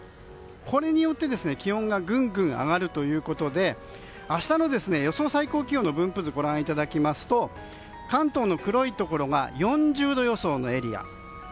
これによって、気温がぐんぐん上がるということで明日の予想最高気温の分布図をご覧いただきますと関東の黒いところが４０度予想のエリア。